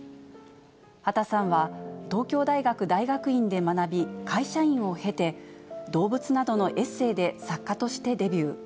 畑さんは、東京大学大学院で学び、会社員を経て、動物などのエッセーで作家としてデビュー。